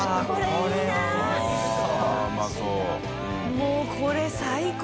もうこれ最高！